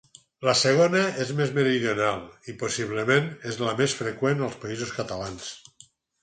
La segona és més meridional i possiblement és la més freqüent als Països Catalans.